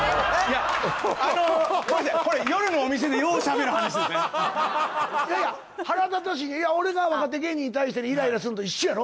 もうこれ夜のお店でようしゃべる話ですねいやいや腹立たしいいや俺が若手芸人に対してイライラすんのと一緒やろ